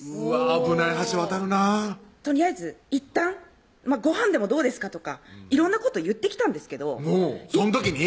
危ない橋渡るなぁとりあえずいったん「ごはんでもどうですか？」とか色んなこと言ってきたんですけどその時に？